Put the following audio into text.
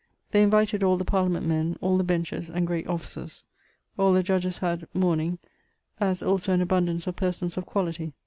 They invited all the Parliament men, all the benchers, and great officers. All the judges had mourning, as also an abundance of persons of quality.